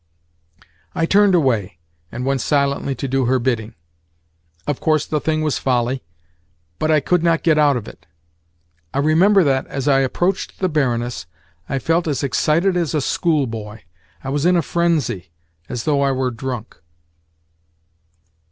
I turned away, and went silently to do her bidding. Of course the thing was folly, but I could not get out of it. I remember that, as I approached the Baroness, I felt as excited as a schoolboy. I was in a frenzy, as though I were drunk.